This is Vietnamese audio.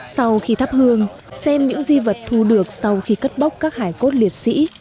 sau khi thắp hương xem những di vật thu được sau khi cất bóc các hải cốt liệt sĩ